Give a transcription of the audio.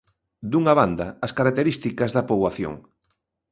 Dunha banda, as características da poboación.